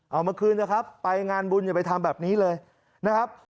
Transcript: เอามาคืนเถอะครับไปงานบุญอย่าไปทำแบบนี้เลยนะครับ